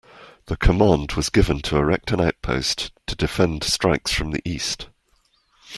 The command was given to erect an outpost to defend strikes from the east.